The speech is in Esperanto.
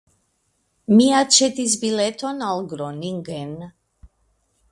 Mi aĉetis bileton al Groningen.